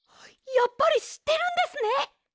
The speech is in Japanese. やっぱりしってるんですね！